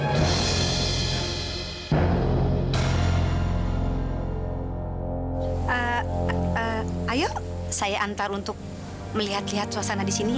ayo saya antar untuk melihat lihat suasana di sini